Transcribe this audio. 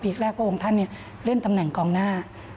แรกพระองค์ท่านเล่นตำแหน่งกองหน้า